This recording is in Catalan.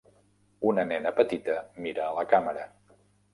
Una nena petita mira a la càmera.